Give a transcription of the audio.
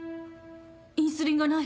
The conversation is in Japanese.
インスリンがない。